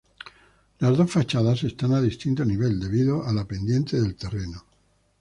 Las dos fachadas están a distinto nivel, debido a la pendiente del terreno.